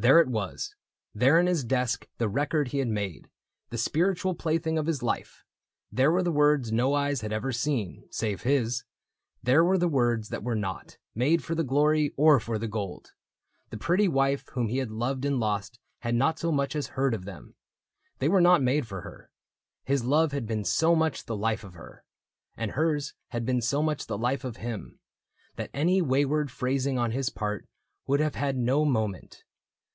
There it was — There in his desk, the record he had made, The spiritual plaything of his life : There were the words no eyes had ever seen Save his; there were the words that were not made For glory or for gold. The pretty wife Whom he had loved and lost had not so much As heard of them. They were not made for her. His love had been so much the life of her. And hers had been so much the life of him. That any wayward phrasing on his part Would have had no moment.